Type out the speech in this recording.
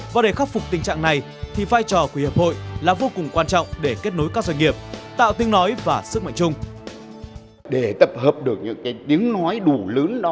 và để khắc phục tình trạng này thì vai trò của hiệp hội là vô cùng quan trọng để kết nối các doanh nghiệp tạo tiếng nói và sức mạnh chung